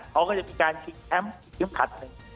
เขาก็จะมีการคิดแคมป์คิดคิดผัดหนึ่ง